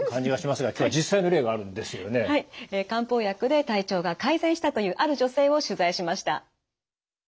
漢方薬で体調が改善したというある女性を取材しました。